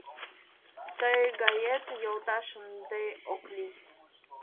Тый гает йолташ ынде ок лий.